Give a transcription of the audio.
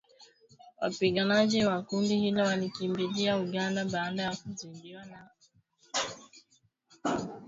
Wapiganaji wa kundi hilo walikimbilia Uganda baada ya kuzidiwa na